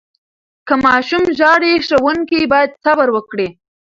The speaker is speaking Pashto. که ماشوم ژاړي، ښوونکي باید صبر وکړي.